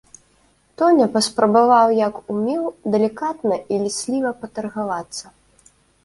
Тоня паспрабаваў як умеў далікатна і лісліва патаргавацца.